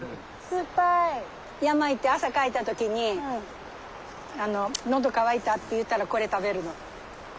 山行って汗かいた時に喉渇いたって言うたらこれ食べるの。